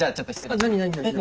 何何何？